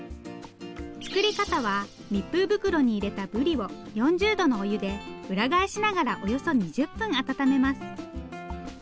作り方は密封袋に入れたブリを４０度のお湯で裏返しながらおよそ２０分温めます。